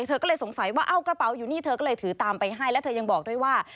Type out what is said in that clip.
เธอก็เลยสงสัยว่าเอากระเป๋าอยู่นี่เธอก็เลยถือตามไปให้แล้วเธอยังบอกด้วยว่า